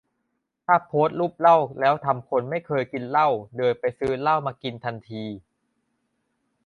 ถ้าโพสต์รูปเหล้าแล้วทำคนไม่เคยกินเหล้าเดินไปซื้อเหล้ามากินทันที